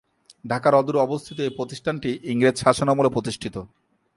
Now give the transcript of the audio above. ঢাকার অদূরে অবস্থিত এই প্রতিষ্ঠানটি ইংরেজ শাসনামলে প্রতিষ্ঠিত।